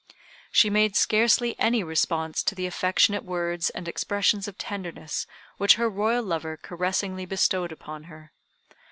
She made scarcely any response to the affectionate words and expressions of tenderness which her Royal lover caressingly bestowed upon her.